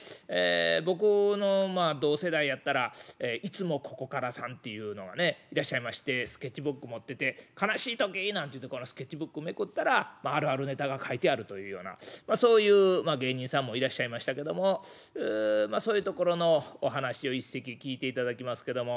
僕の同世代やったら「いつもここから」さんっていうのがねいらっしゃいましてスケッチブック持ってて「悲しい時」なんて言うてこのスケッチブックめくったらあるあるネタが書いてあるというようなそういう芸人さんもいらっしゃいましたけどもまあそういうところのお噺を一席聴いていただきますけども。